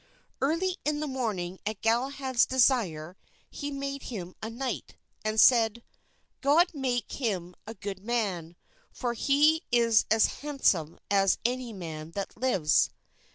Early in the morning at Galahad's desire he made him a knight, and said, "God make him a good man, for he is as handsome as any man that lives."